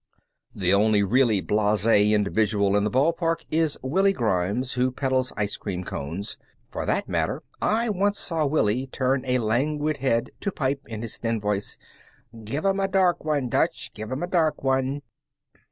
The only really blase individual in the ball park is Willie Grimes, who peddles ice cream cones. For that matter, I once saw Willie turn a languid head to pipe, in his thin voice, "Give 'em a dark one, Dutch! Give 'em a dark one!"